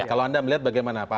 kalau anda melihat bagaimana pak